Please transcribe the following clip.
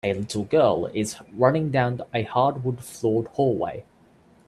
A little girl is running down a hardwood floored hallway